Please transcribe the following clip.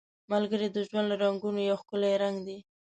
ملګری د ژوند له رنګونو یو ښکلی رنګ دی